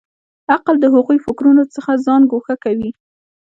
عقل د هغو فکرونو څخه ځان ګوښه کوي.